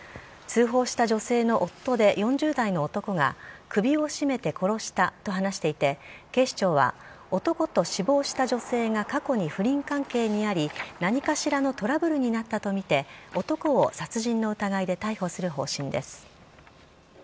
通報した女性の夫で４０代の男が首を絞めて殺したと話していて警視庁は男と死亡した女性が過去に不倫関係にあり何かしらのトラブルになったとみて男を殺人の疑いで逮捕する方針です。